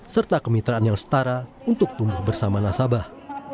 serta kemitraan yang setara untuk tumbuh bersama nasabah